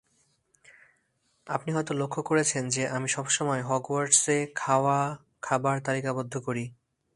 আপনি হয়ত লক্ষ্য করেছেন যে আমি সবসময় হগওয়ার্টসে খাওয়া খাবার তালিকাবদ্ধ করি।